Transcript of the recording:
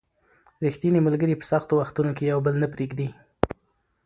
ریښتیني ملګري په سختو وختونو کې یو بل نه پرېږدي